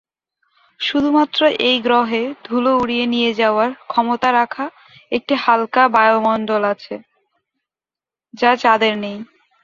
শুধুমাত্র এই গ্রহে ধুলো উড়িয়ে নিয়ে যাওয়ার ক্ষমতা রাখা একটি হালকা বায়ুমণ্ডল আছে, যা চাঁদের নেই।